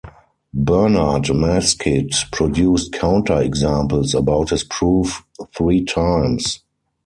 Bernard Maskit produced counter examples about his proof three times.